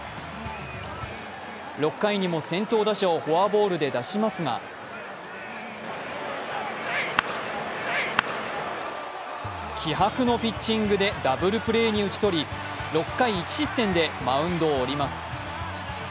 ６回にも先頭打者をフォアボールで出しますが気迫のピッチングでダブルプレーに打ち取り、６回１失点でマウンドを降ります。